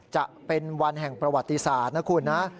จะเป็นวันแห่งประวัติศาสตร์นะคุณนะ